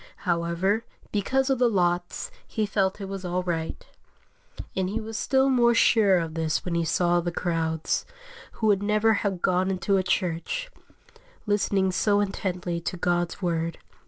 However, because of the lots, he felt it was all right; and he was still more sure of this when he saw the crowds, who would never have gone into a church, listening so intently to God's Word.